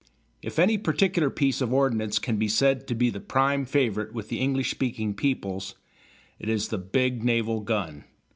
If any particular piece of ordnance can be said to be the prime favourite with the English speaking peoples, it is the big naval gun.